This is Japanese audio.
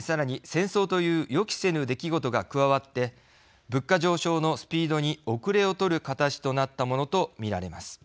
戦争という予期せぬ出来事が加わって物価上昇のスピードに後れを取る形となったものとみられます。